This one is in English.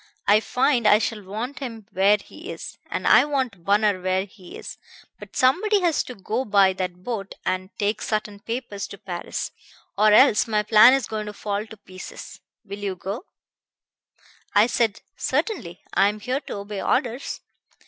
I find I shall want him where he is. And I want Bunner where he is. But somebody has got to go by that boat and take certain papers to Paris. Or else my plan is going to fall to pieces. Will you go?' I said, 'Certainly. I am here to obey orders.'